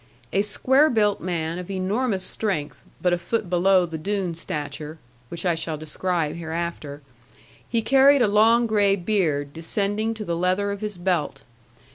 A square built man of enormous strength, but a foot below the Doone stature (which I shall describe hereafter), he carried a long grey beard descending to the leather of his belt.